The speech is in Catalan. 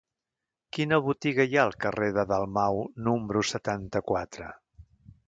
Quina botiga hi ha al carrer de Dalmau número setanta-quatre?